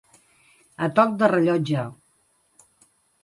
A toc de rellotge.